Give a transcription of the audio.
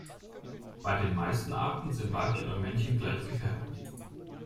Bei den meisten Arten sind Weibchen und Männchen gleich gefärbt.